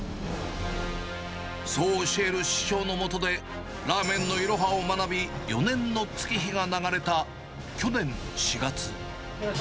そう教える師匠の下で、ラーメンのイロハを学び、４年の月日が流れた去年４月。